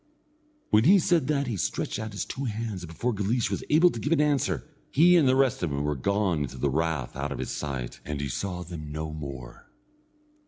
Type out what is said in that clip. When he said that he stretched out his two hands, and before Guleesh was able to give an answer, he and the rest of them were gone into the rath out of his sight, and he saw them no more.